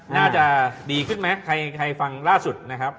น่าจะดีขึ้นไหมใครฟังล่าสุดนะครับ